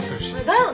だよね。